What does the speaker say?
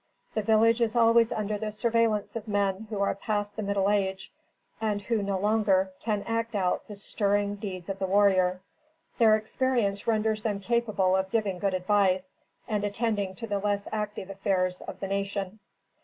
The village is always under the surveillance of men who are past the middle age, and who no longer can act out the stirring deeds of the warrior. Their experience renders them capable of giving good advice, and attending to the less active affairs of the nation.